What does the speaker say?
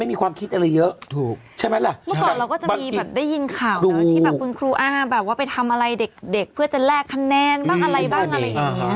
เมื่อก่อนเราก็จะมีได้ยินข่าวที่คุณครูอ่านว่าไปทำอะไรเด็กเพื่อจะเล่ากขนแนนบ้างอะไรเพียงอะไร